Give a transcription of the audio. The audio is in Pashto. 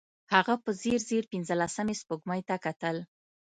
هغه په ځير ځير پينځلسمې سپوږمۍ ته کتل.